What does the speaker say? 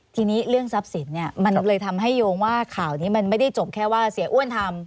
ทีนี้เรื่องทรัพย์สินเนี่ยมันเลยทำให้โยงว่าข่าวนี้มันไม่ได้จบแค่ว่าเสียอ้วนทำ